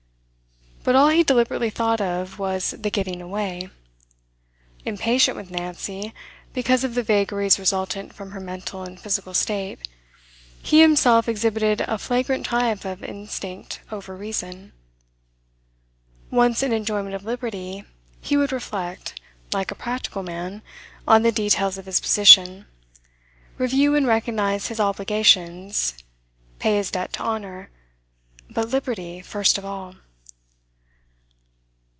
But all he deliberately thought of was the getting away. Impatient with Nancy, because of the vagaries resultant from her mental and physical state, he himself exhibited a flagrant triumph of instinct over reason. Once in enjoyment of liberty, he would reflect, like a practical man, on the details of his position, review and recognise his obligations, pay his debt to honour; but liberty first of all.